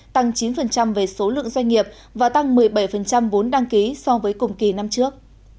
tăng chín về số lượng doanh nghiệp và tăng một mươi bảy vốn đăng ký so với cùng kỳ năm trước